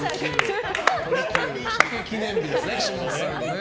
記念日ですね。